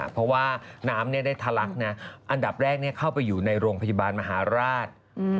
เพราะว่าน้ำได้ทะลักนะอันดับแรกเข้าไปอยู่ในโรงพยาบาลมหาราช